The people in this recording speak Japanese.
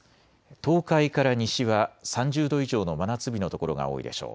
東海から西は３０度以上の真夏日の所が多いでしょう。